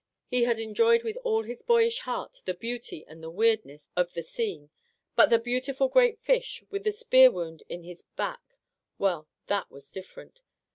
He had enjoyed with all his boyish heart the beauty and the weirdness of the scene, but the beautiful great fish, with the spear wound in his back, — well, that was different.